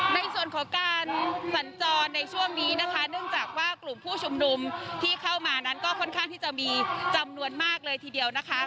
ในส่วนของการสัญจรในช่วงนี้นะคะเนื่องจากว่ากลุ่มผู้ชุมนุมที่เข้ามานั้นก็ค่อนข้างที่จะมีจำนวนมากเลยทีเดียวนะคะ